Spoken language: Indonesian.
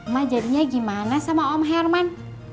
mak jadinya gimana sama om herman